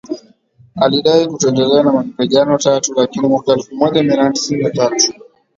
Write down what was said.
alidai kutoendelea na mapigano Tatu lakini mwaka elfu moja mia nane tisini na tatu